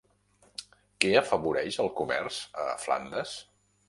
Què afavoreix el comerç a Flandes?